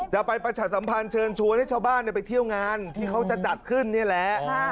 จะไปประชาสัมพันธ์เชิญชวนให้ชาวบ้านไปเที่ยวงานที่เขาจะจัดขึ้นนี่แหละ